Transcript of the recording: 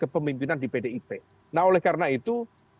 kepemimpinan di pdip nah oleh karena itu